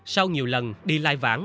sau nhiều lần đi lai vãn